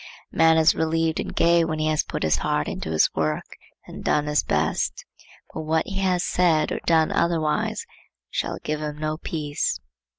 A man is relieved and gay when he has put his heart into his work and done his best; but what he has said or done otherwise shall give him no peace.